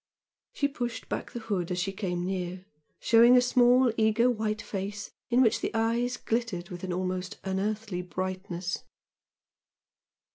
She pushed back the hood as she came near, showing a small eager white face in which the eyes glittered with an almost unearthly brightness.